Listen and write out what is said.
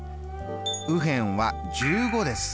右辺は１５です。